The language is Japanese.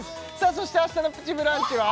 そして明日の「プチブランチ」は？